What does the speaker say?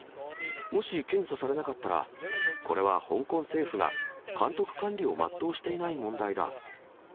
もし検査されなかったら、これは香港政府が監督管理を全うしていない問題だ。